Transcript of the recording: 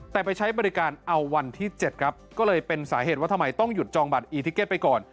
แต่ไปใช้บริการเอาวันที่๗ครับก็เลยเป็นสาเหตุว่าทำไมต้องหยุดจองบัตรอีทิเก็ตไปก่อน